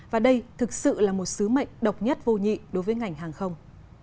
và đây thực sự là một sứ mệnh độc nhất vô nhị đối với ngành hàng không